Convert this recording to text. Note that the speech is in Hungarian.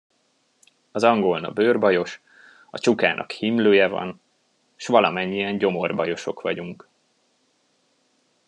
Az angolna bőrbajos, a csukának himlője van, s valamennyien gyomorbajosok vagyunk.